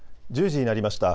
１０時になりました。